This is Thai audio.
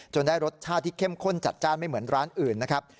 ได้รสชาติที่เข้มข้นจัดจ้านไม่เหมือนร้านอื่นนะครับ